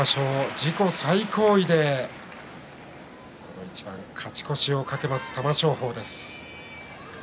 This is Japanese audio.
自己最高位で勝ち越しを懸けます玉正鳳です。